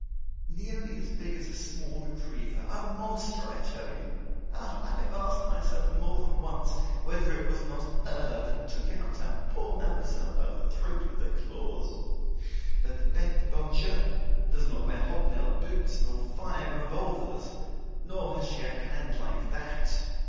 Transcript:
"Nearly as big as a small retriever, a monster, I tell you. Ah! I have asked myself more than once whether it was not her that took our poor Mademoiselle by the throat with her claws. But the Bete du bon Dieu does not wear hobnailed boots, nor fire revolvers, nor has she a hand like that!"